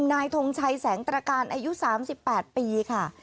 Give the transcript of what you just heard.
นายทงชัยแสงตรการอายุ๓๘ปีค่ะ